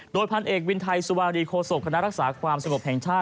โดยพันเอกวินไทยสุวารีโคศกคณะรักษาความสงบแห่งชาติ